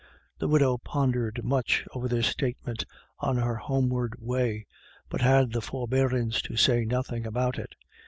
The widow pondered much over this statement on her homeward way, but had the forbearance to say nothing about it.